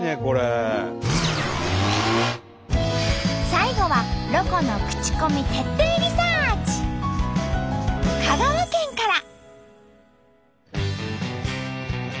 最後は香川県から。